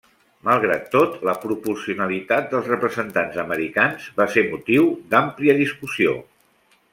Malgrat tot, la proporcionalitat dels representats americans va ser motiu d'àmplia discussió.